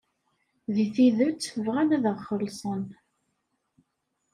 Deg tidet, bɣan ad aɣ-xellṣen.